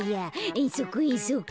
えんそくえんそく。